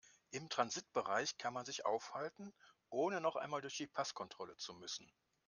Im Transitbereich kann man sich aufhalten, ohne noch einmal durch die Passkontrolle zu müssen.